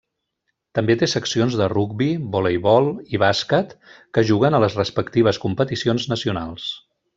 També té seccions de rugbi, voleibol i bàsquet que juguen a les respectives competicions nacionals.